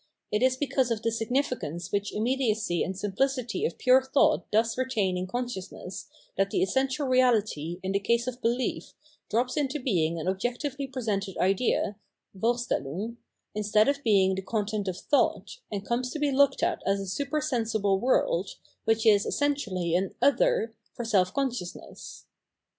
It is because of the significance which imme diacy and simplicity of pure thought thus retain in consciousness that the essential reality in the case of belief drops into being an objectively presented idea {Vorstellung), instead of being the content of thought, and comes to be looked at as a supersensible world, which is essentially an " other " for self consciousness.